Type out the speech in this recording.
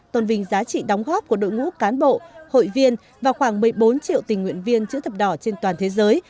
tôn vinh giá trị đóng góp của đội ngũ cán bộ hội viên và khoảng một mươi bốn triệu tình nguyện viên chữ thập đỏ trên toàn thế giới